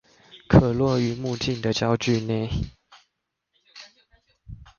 可落於目鏡的焦距內